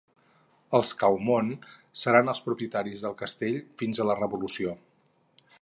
Els Caumont seran els propietaris del castell fins a la Revolució.